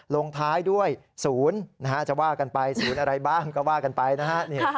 ลงท้ายด้วย๐จะว่ากันไป๐อะไรบ้างก็ว่ากันไปนะฮะ